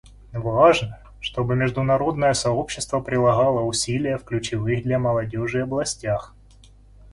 Важно, чтобы международное сообщество прилагало усилия в ключевых для молодежи областях.